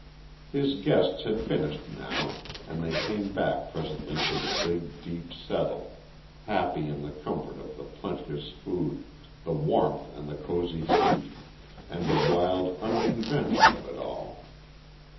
His guests had finished now, and they came back presently to the big, deep settle, happy in the comfort of plenteous food, the warmth and the cosy seat, and the wild unconvention of it all.